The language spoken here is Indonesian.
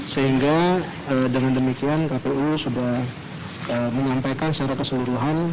sehingga dengan demikian kpu sudah menyampaikan secara keseluruhan